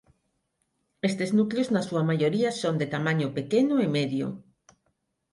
Estes núcleos na súa maioría son de tamaño pequeno e medio.